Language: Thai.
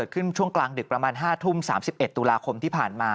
ช่วงกลางดึกประมาณ๕ทุ่ม๓๑ตุลาคมที่ผ่านมา